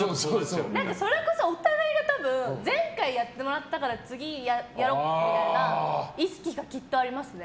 それこそお互いが前回やってもらったから次、やろうみたいな意識がきっとありますね。